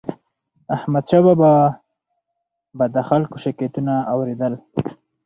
احمدشاه بابا به د خلکو شکایتونه اور يدل.